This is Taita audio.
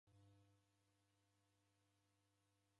Ndew'idimagha kubonya ijojose.